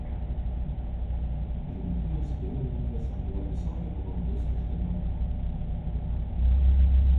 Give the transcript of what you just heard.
Žemietijos vėliavininkas buvo tiesiogiai pavaldus kaštelionui.